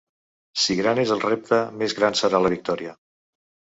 Si gran és el repte, més gran serà la victòria.